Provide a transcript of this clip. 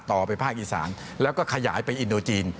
ต่อไปภาคอีสานแล้วก็ขยายไปอินโดจีน